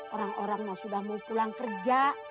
orang orang yang sudah mau pulang kerja